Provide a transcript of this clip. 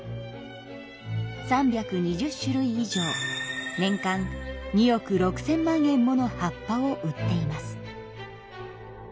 ３２０種類以上年間２億６千万円もの葉っぱを売っています。